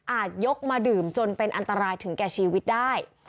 ยกมาดื่มจนเป็นอันตรายถึงแก่ชีวิตได้